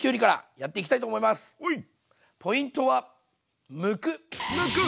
ポイントはむく！